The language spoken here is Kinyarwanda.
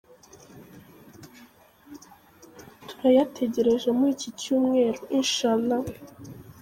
Turayategereje muri iki cyumweru, insha Allah.